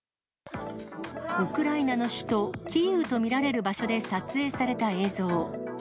ウクライナの首都キーウと見られる場所で撮影された映像。